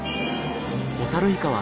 ホタルイカは